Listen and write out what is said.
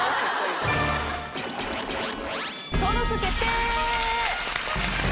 登録決定！